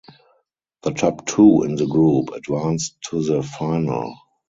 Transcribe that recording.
The top two in the group advanced to the final.